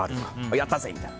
やったぜみたいな。